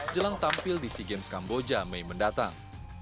jelang tampil di sea games kamboja mei mendatang